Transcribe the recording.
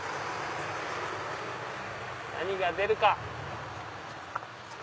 何が出るか？